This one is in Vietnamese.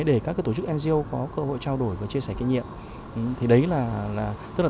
để các tổ chức ngo có cơ hội trao đổi và chia sẻ kinh nghiệm